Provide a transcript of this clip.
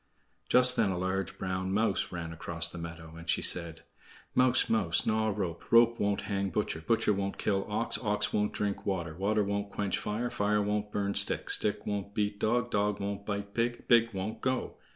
Just then a large brown mouse ran across the meadow, and she said: "Mouse, mouse, gnaw rope; Rope won't hang butcher; Butcher won't kill ox; Ox won't drink water; Water won't quench fire; Fire won't burn stick; Stick won't beat dog; Dog won't bite pig; Pig won't go.